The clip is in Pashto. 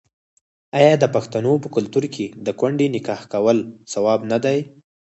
آیا د پښتنو په کلتور کې د کونډې نکاح کول ثواب نه دی؟